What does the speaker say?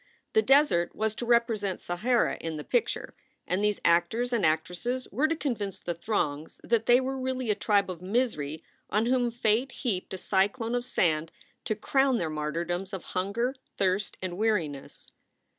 The desert was to represent Sahara in the picture, and these actors and actresses were to convince the throngs that they w r ere really a tribe of misery on whom fate heaped a cyclone of sand to crown their martyr doms of hunger, thirst, and weariness.